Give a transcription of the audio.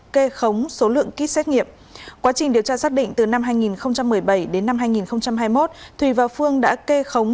kê khống số lượng kit xét nghiệm quá trình điều tra xác định từ năm hai nghìn một mươi bảy đến năm hai nghìn hai mươi một thùy và phương đã kê khống